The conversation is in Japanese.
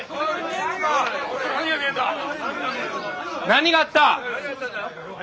何があった？